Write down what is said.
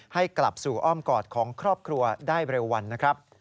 ให้กลับสู่อ้อมกอดของครอบครัวได้เร็ววันนะครับ